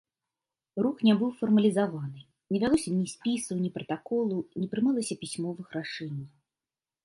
Рух не быў фармалізаваны, не вялося ні спісаў, ні пратаколаў, не прымалася пісьмовых рашэнняў.